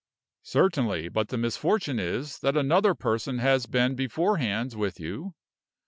"Certainly; but the misfortune is, that another person has been beforehand with you.